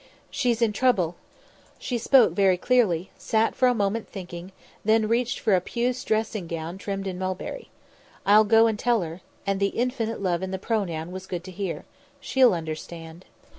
"She's in trouble." She spoke very clearly, sat for a moment thinking, then reached for a puce dressing gown trimmed mulberry. "I'll go and tell her," and the infinite love in the pronoun was good to hear. "She'll understand."